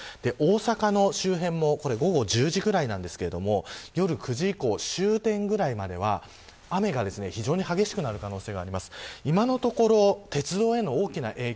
大阪の周辺も午後１０時くらいなんですけれども夜９時以降、終電ぐらいまでは雨が非常に激しくなる可能性があります。